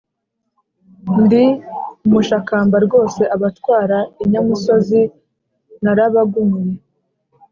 Ndi umushakamba rwose, abatwara inyamusozi narabagumiye.